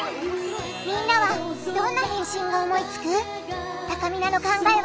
みんなはどんな返信を思いつく？